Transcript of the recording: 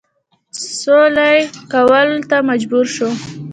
سولي کولو ته مجبور شو.